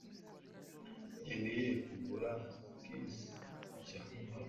nkeneye kugura skisi nshya